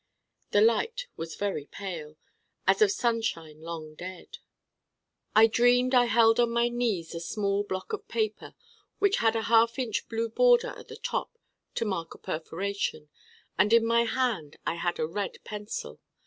The light was very pale, as of sunshine long dead. I dreamed I held on my knees a small block of paper which had a half inch blue border at the top to mark a perforation, and in my hand I had a red pencil.